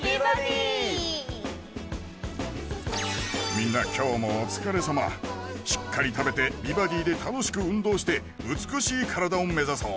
みんな今日もお疲れさましっかり食べて「美バディ」で楽しく運動して美しい体を目指そう